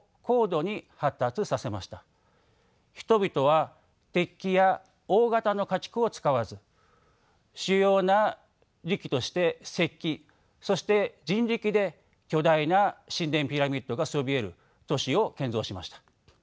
人々は鉄器や大型の家畜を使わず主要な利器として石器そして人力で巨大な神殿ピラミッドがそびえる都市を建造しました。